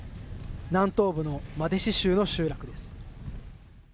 南東部のマデシ州の集落です。